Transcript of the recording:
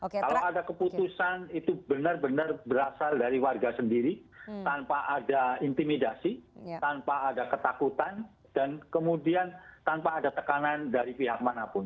kalau ada keputusan itu benar benar berasal dari warga sendiri tanpa ada intimidasi tanpa ada ketakutan dan kemudian tanpa ada tekanan dari pihak manapun